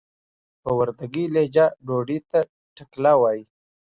په وردګي لهجه ډوډۍ ته ټکله وايي.